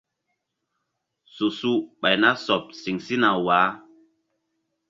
Su su ɓay na sɔɓ siŋ sina waah.